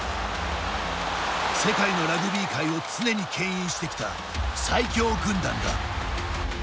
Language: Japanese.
世界のラグビー界を常にけん引してきた最強軍団だ。